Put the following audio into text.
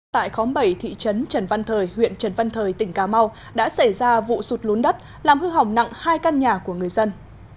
tại khóm bảy thị trấn trần văn thời huyện trần văn thời tỉnh cà mau đã xảy ra vụ sụt lún đất làm hư hỏng nặng hai căn nhà của người dân